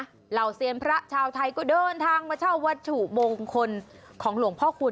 เหล่าเซียนพระชาวไทยก็เดินทางมาเช่าวัตถุมงคลของหลวงพ่อคุณ